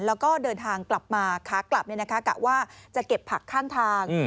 แล้วก็เดินทางกลับมาขากลับกะว่าจะเก็บผักข้างทาง